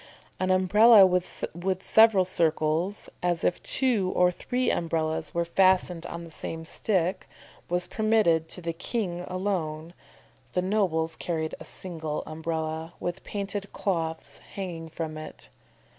An Umbrella with several circles, as if two or three umbrellas were fastened on the same stick, was permitted to the king alone, the nobles carried a single Umbrella with painted cloths hanging from it.